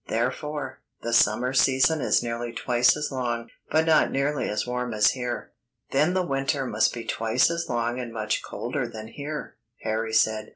Therefore, the summer season is nearly twice as long, but not nearly as warm as here." "Then the winter must be twice as long and much colder than here," Harry said.